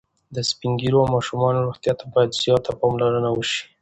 د سپین ږیرو او ماشومانو روغتیا ته باید زیاته پاملرنه وشي.